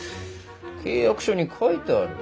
契約書に書いてある。